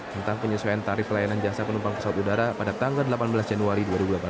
tentang penyesuaian tarif layanan jasa penumpang pesawat udara pada tanggal delapan belas januari dua ribu delapan belas